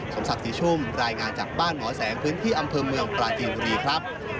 สมศักดิ์ศรีชุ่มรายงานจากบ้านหมอแสงพื้นที่อำเภอเมืองปลาจีนบุรีครับ